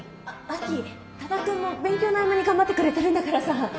あっ亜紀多田くんも勉強の合間に頑張ってくれてるんだからさ。